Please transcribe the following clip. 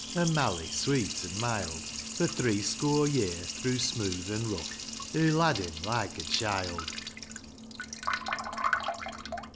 An' Mally sweet an' mild. For three score year^ through smooth an' rough, Hoo lad him like a child.